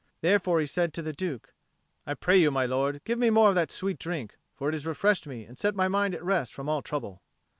Therefore he said to the Duke, "I pray you, my lord, give me more of that sweet drink. For it has refreshed me and set my mind at rest from all trouble."